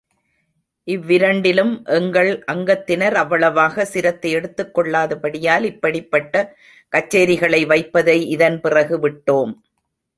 இவ்விரண்டிலும் எங்கள் அங்கத்தினர் அவ்வளவாக சிரத்தை எடுத்துக் கொள்ளாதபடியால், இப்படிப்பட்ட கச்சேரிகளை வைப்பதை இதன் பிறகு விட்டோம்.